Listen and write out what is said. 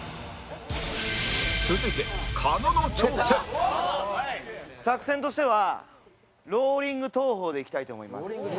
続いて狩野の挑戦作戦としてはローリング投法でいきたいと思います。